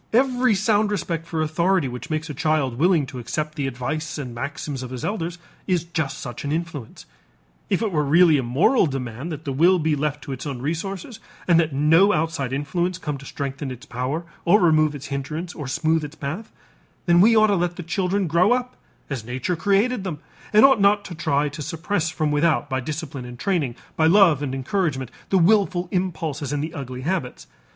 Every sound respect for authority which makes a child willing to accept the advice and maxims of his elders is just such an influence. If it were really a moral demand that the will be left to its own resources and that no outside influence come to strengthen its power or remove its hindrances or smooth its path, then we ought to let the children grow up as nature created them and ought not to try to suppress from without by discipline and training, by love and encouragement, the willful impulses and the ugly habits.